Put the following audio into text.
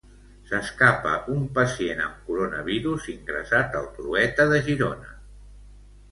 S'escapa un pacient amb coronavirus ingressat al Trueta de Girona.